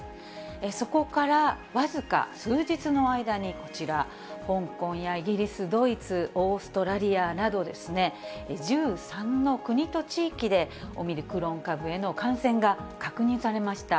そこから僅か数日の間にこちら、香港やイギリス、ドイツ、オーストラリアなど、１３の国と地域でオミクロン株への感染が確認されました。